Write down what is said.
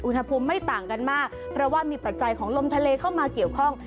อุณหภูมิไม่ต่างกันมากเพราะว่ามีปัจจัยของลมทะเลเข้ามาเกี่ยวข้อง